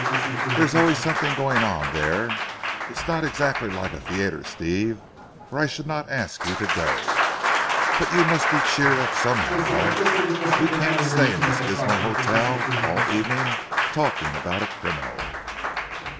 There's always something going on there. It's not exactly like a theatre Steve or I should not ask you to go. But you must be cheered up somehow. We can't stay in this dismal hotel all the evening talking about a criminal."